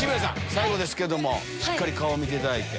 最後ですけどもしっかり顔見ていただいて。